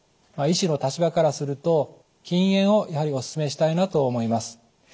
医師の立場からすると禁煙をやはりお勧めしたいなと思います。